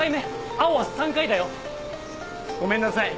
青は３回だよ。ごめんなさい。